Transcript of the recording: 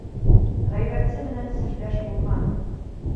Ғәйбәтсе менән серҙәш булма.